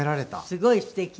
すごいすてき。